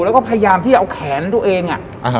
แล้วก็พยายามที่จะเอาแขนตัวเอง